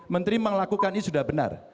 menteri melakukan ini sudah benar